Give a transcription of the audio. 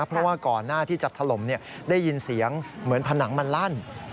เพราะว่าก่อนหน้าที่จะถล่มได้ยินเสียงเหมือนผนังมันลั่น